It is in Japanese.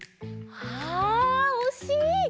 あっおしい。